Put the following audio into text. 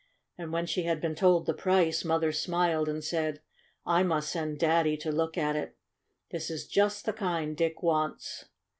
And when she had been told the price Mother smiled and said: "I must send Daddy to look at it. This is just the kind Dick wants."